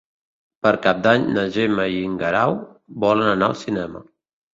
Per Cap d'Any na Gemma i en Guerau volen anar al cinema.